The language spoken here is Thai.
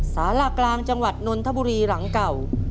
สารากลางจังหวัดนนทบุรีหลังเก่า